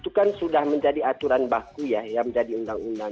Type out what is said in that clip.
itu kan sudah menjadi aturan baku ya menjadi undang undang